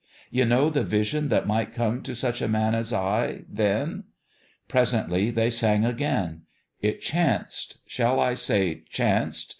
You know the vision that might come to such a man as I then? .. Presently they sang again. It chanced shall I say chanced